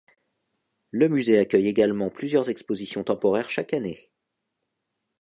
Le musée accueille également plusieurs expositions temporaires chaque année.